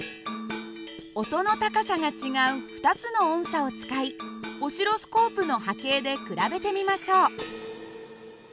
音の高さが違う２つの音叉を使いオシロスコープの波形で比べてみましょう。